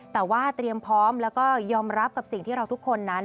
แต่ว่าเตรียมพร้อมแล้วก็ยอมรับกับสิ่งที่เราทุกคนนั้น